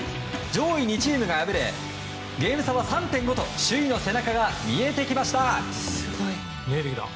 上位２チームが破れゲーム差は３．５と首位の背中が見えてきました。